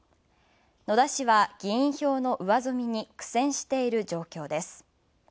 野田氏は議員票の上積みに苦戦している状況です。